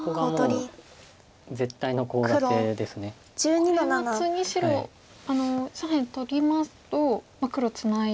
これは次白左辺取りますと黒ツナいで。